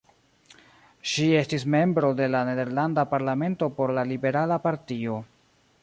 Ŝi estis membro de la nederlanda parlamento por la liberala partio.